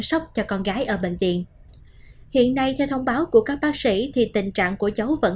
sốc cho con gái ở bệnh viện hiện nay theo thông báo của các bác sĩ thì tình trạng của cháu vẫn